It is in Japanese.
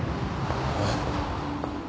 えっ。